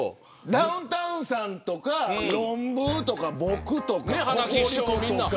ダウンタウンさんとかロンブーとか僕とかココリコとか。